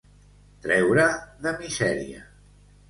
Treure de misèria.